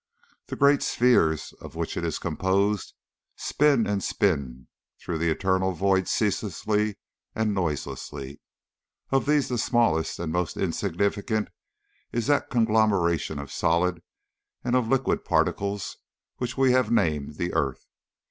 The great spheres of which it is composed spin and spin through the eternal void ceaselessly and noiselessly. Of these one of the smallest and most insignificant is that conglomeration of solid and of liquid particles which we have named the earth.